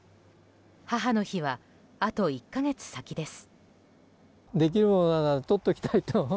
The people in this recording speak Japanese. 母の日は、あと１か月先です。